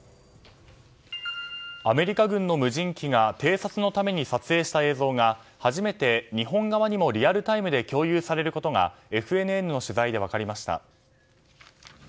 アメリカ軍の無人機が偵察のために撮影した映像が初めて日本側にもリアルタイムで共有されることがＦＮＮの取材で分かりました。